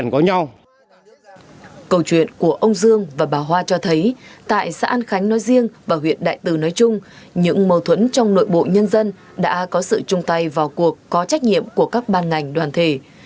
câu chuyện của ông dương và bà hoa cho thấy tại xã an khánh nói riêng và huyện đại từ nói chung những mâu thuẫn trong nội bộ nhân dân đã có sự chung tay vào cuộc có trách nhiệm của các ban ngành đoàn thể